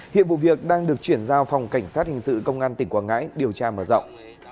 hiện vụ việc đang được chuyển giao phòng cảnh sát hình sự công an tỉnh quảng ngãi điều tra mở rộng